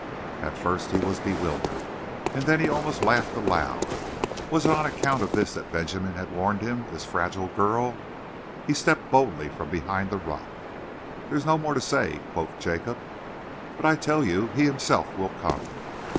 At first he was bewildered, and then he almost laughed aloud. Was it on account of this that Benjamin had warned him, this fragile girl? He stepped boldly from behind the rock. "There is no more to say," quoth Jacob. "But I tell you, he himself will come."